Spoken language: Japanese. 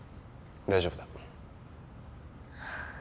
大丈夫だ。